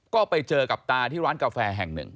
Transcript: ก็ไปเจอกับตาที่ร้านกาแฟแห่งหนึ่ง